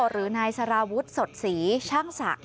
หรือนายสารวุฒิสดศรีช่างศักดิ์